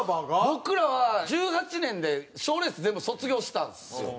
僕らは２０１８年で賞レース全部卒業したんですよ。